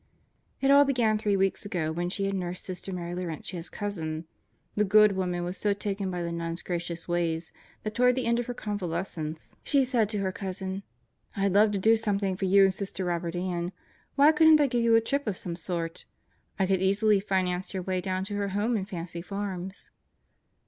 It all began three weeks ago when she had nursed Sister Mary Laurentia's cousin. The good woman was so taken by the nun's gracious ways that toward the end of her convalescence, she said 63 64 God Goes to Murderers Row to her cousin: "I'd love to do something for you and Sister Robert Ann. Why couldn't I give you a trip of some sort? I could easily finance your way down to her home in Fancy Farms."